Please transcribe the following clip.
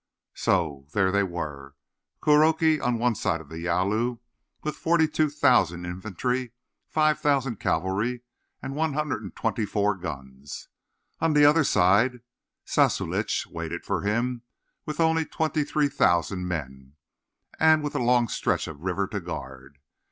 So, there they were—Kuroki on one side of the Yalu with forty two thousand infantry, five thousand cavalry, and one hundred and twenty four guns. On the other side, Zassulitch waited for him with only twenty three thousand men, and with a long stretch of river to guard.